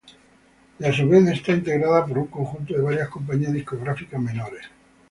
Y a su vez está integrada por un conjunto de varias compañías discográficas menores.